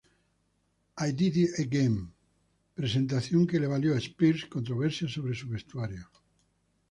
I Did It Again", presentación que le valió a Spears controversia sobre su vestuario.